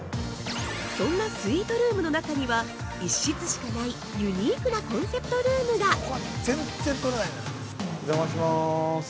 そんなスイートルームの中には一室しかない、ユニークなコンセプトルームが◆お邪魔します。